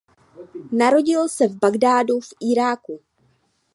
Narodil se v Bagdádu v Iráku.